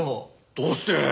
どうして？